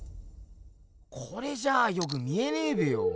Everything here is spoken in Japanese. これじゃあよく見えねえべよ。